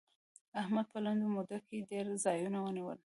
احمد په لنډه موده کې ډېر ځايونه ونيول.